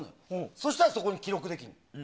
そしたら、そこに記録できる。